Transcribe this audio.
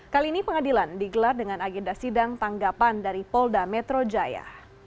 kali ini pengadilan digelar dengan agenda sidang tanggapan dari polda metro jaya